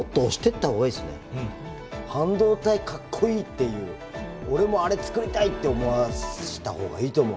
半導体かっこいいっていう俺もあれつくりたいって思わした方がいいと思う。